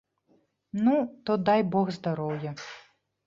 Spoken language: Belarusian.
Ну, то дай бог здароўя.